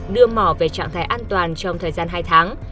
đưa mỏ về trạng thái an toàn trong thời gian hai tháng